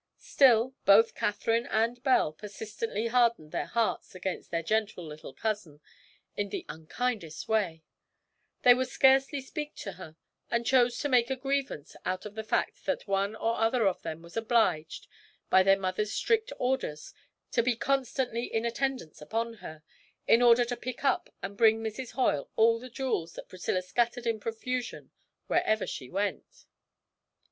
Still, both Catherine and Belle persistently hardened their hearts against their gentle little cousin in the unkindest way; they would scarcely speak to her, and chose to make a grievance out of the fact that one or other of them was obliged, by their mother's strict orders, to be constantly in attendance upon her, in order to pick up and bring Mrs. Hoyle all the jewels that Priscilla scattered in profusion wherever she went.